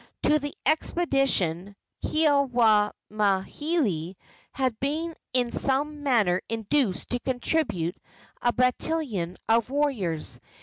To the expedition Keawemauhili had been in some manner induced to contribute a battalion of warriors.